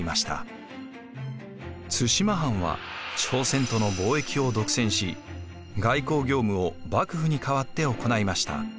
対馬藩は朝鮮との貿易を独占し外交業務を幕府に代わって行いました。